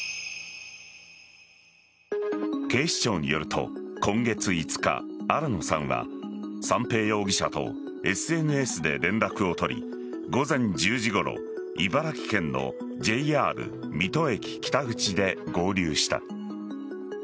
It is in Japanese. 警視庁によると今月５日、新野さんは三瓶容疑者とＳＮＳで連絡を取り午前１０時ごろ茨城県のＪＲ水戸駅北口で合流した。